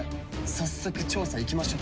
早速調査行きましょう。